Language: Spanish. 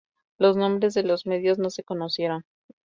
Los nombres de los medios no se conocieron.